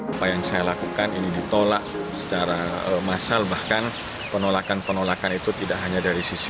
apa yang saya lakukan ini ditolak secara massal bahkan penolakan penolakan itu tidak hanya dari sisi